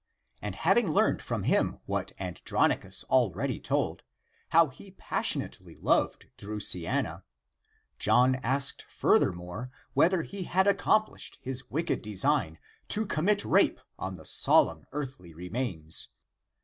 And hav ing learned from him what Andronicus already told, how he passionately loved Drusiana, John asked furthermore whether he had accomplished his wicked design to commit rape on the solemn earthly remains.